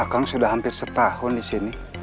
kamu sudah hampir setahun di sini